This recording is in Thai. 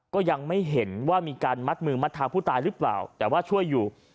ก็ยังไม่เห็นว่ามีการมัดมือมัดเท้าผู้ตายหรือเปล่าแต่ว่าช่วยอยู่